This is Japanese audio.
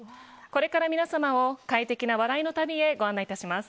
これから皆様を快適な笑いの旅へご案内します。